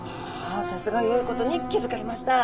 あさすがよいことに気付かれました。